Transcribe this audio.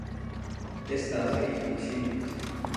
ئێستا خەریکی چیت؟